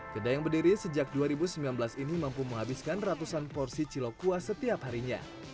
kedai yang berdiri sejak dua ribu sembilan belas ini mampu menghabiskan ratusan porsi cilok kuah setiap harinya